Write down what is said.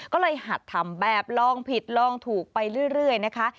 ก็เลยหัดทำแบบลองผิดลองถูกไปเรื่อยนะคะ